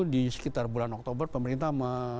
di sekitar bulan oktober pemerintah